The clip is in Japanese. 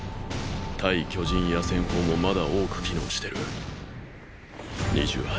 対巨人野戦砲もまだ多く機能してる。